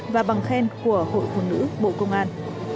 và bằng khen của hội phụ nữ bộ công an